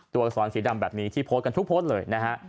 อักษรสีดำแบบนี้ที่โพสต์กันทุกโพสต์เลยนะฮะ